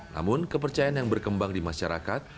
namun kepercayaan yang berkembang di masyarakat